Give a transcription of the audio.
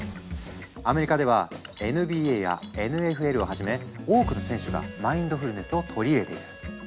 アメリカではＮＢＡやＮＦＬをはじめ多くの選手がマインドフルネスを取り入れている。